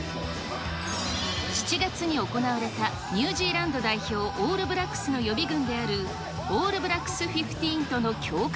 ７月に行われたニュージーランド代表、オールブラックスの予備軍であるオールブラックス・フィフティーンとの強化